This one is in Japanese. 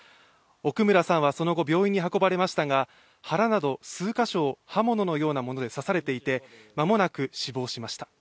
奧村さんはその後、病院に運ばれましたが腹など数カ所を刃物のような物で刺されていて間もなく死亡しました。